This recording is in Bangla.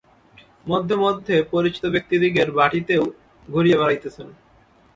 মধ্যে মধ্যে পরিচিত ব্যক্তিদিগের বাটীতেও ঘুরিয়া বেড়াইতেছেন।